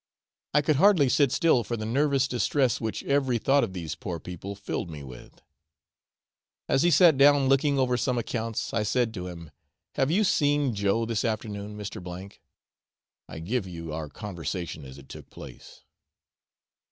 I could hardly sit still for the nervous distress which every thought of these poor people filled me with. As he sat down looking over some accounts, I said to him, 'Have you seen Joe this afternoon, Mr. O ?' (I give you our conversation as it took place.)